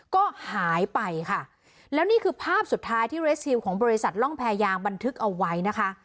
ก็หายไปค่ะแล้วนี่คือภาพสุดท้ายที่เรสซิลของบริษัทร่องแพรยางบันทึกเอาไว้นะคะ